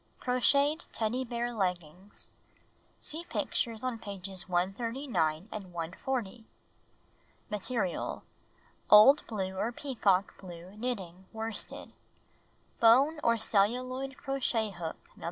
Crocheted Teddy Bear Leggings (See pictures on pages 139 and 140.) Material: Old l)luc or peacock blue knitting worsted. Bone or celluloid crochet hook No.